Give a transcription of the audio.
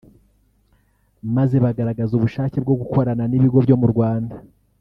maze bagaragaza ubushake bwo gukorana n’ibigo byo mu Rwanda